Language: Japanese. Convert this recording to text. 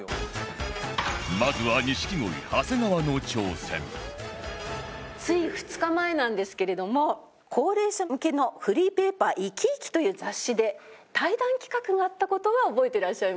まずはつい２日前なんですけれども高齢者向けのフリーペーパー「いきいき」という雑誌で対談企画があった事は覚えてらっしゃいますか？